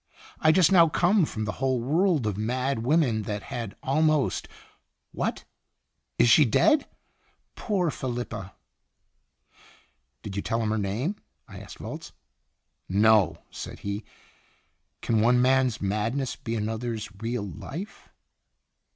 * I just now come from a whole world of mad women that had almost what, is she dead ?' Poor Felipa!" "Did you tell him her name?" I asked Volz. "No," said he. "Can one man's madness be another's real life?"